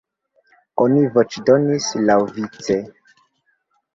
Oni voĉdonis laŭvice.